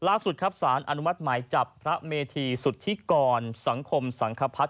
ล่าสุดครับสารอนุมัติหมายจับพระเมธีสุธิกรสังคมสังคพัฒน